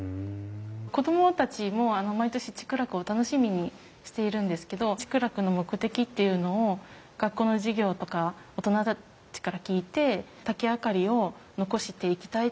子供たちも毎年竹楽を楽しみにしているんですけど竹楽の目的っていうのを学校の授業とか大人たちから聞いて竹明かりを残していきたい